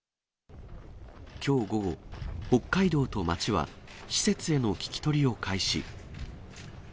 きょう午後、北海道と町は、施設への聞き取りを開始。